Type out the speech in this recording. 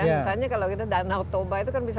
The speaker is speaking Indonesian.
misalnya kalau kita danau toba itu kan bisa